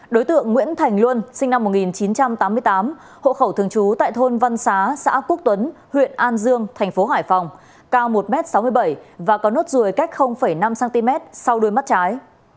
đối tượng nguyễn thành luân sinh năm một nghìn chín trăm tám mươi tám hộ khẩu thường trú tại thôn văn xá xã quốc tuấn huyện an dương thành phố hải phòng cao một m sáu mươi bảy và có nốt ruồi cách năm cm sau đuôi mắt trái